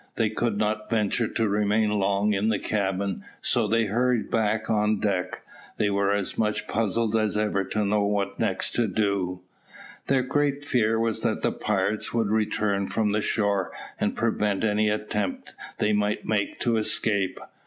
They could not venture to remain long in the cabin, so they hurried back on deck. They were as much puzzled as ever to know what next to do. Their great fear was that the pirates would return from the shore and prevent any attempt they might make to escape.